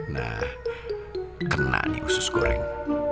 nah kena nih khusus goreng